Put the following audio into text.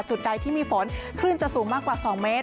จุดใดที่มีฝนคลื่นจะสูงมากกว่า๒เมตร